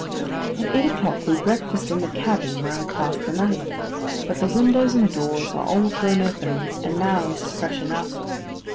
At eight o'clock, we breakfast in the cabin where I passed the night, but the windows and doors are all thrown open, and now it is fresh enough.